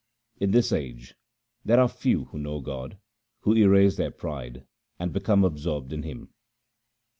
In this age there are few who know God, who erase their pride and become absorbed in Him.